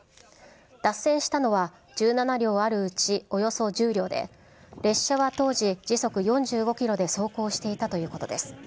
脱線したのは、１７両あるうちおよそ１０両で、列車は当時時速４５キロで走行していたということです。